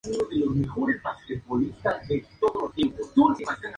Esta previsto para proyectar la prolongación hasta Noia, de allí terminará la autovía.